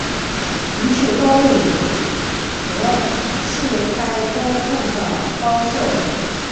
于是高睿与和士开都恨上高孝瑜。